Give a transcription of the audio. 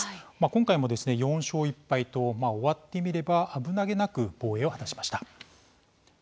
今回も４勝１敗と終わってみれば危なげなく防衛を果たしました。